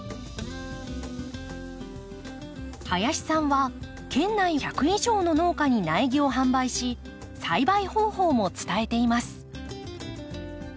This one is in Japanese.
林さんは県内１００以上の農家に苗木を販売し栽培方法も伝えています。